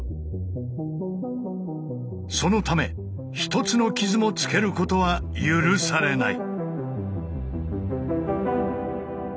そのため一つの傷もつけることは許されない。